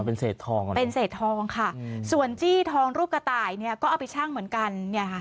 เป็นเศษทองอ่ะเป็นเศษทองค่ะส่วนจี้ทองรูปกระต่ายเนี่ยก็เอาไปชั่งเหมือนกันเนี่ยค่ะ